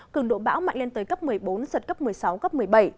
cường độ bão mạnh lên tới cấp một mươi bốn giật cấp một mươi sáu cấp một mươi bảy